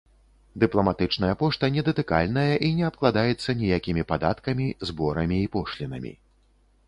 Дыпламатычная пошта недатыкальная і не абкладаецца ніякімі падаткамі, зборамі і пошлінамі.